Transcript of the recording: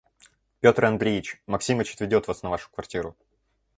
Петр Андреич, Максимыч отведет вас на вашу квартиру.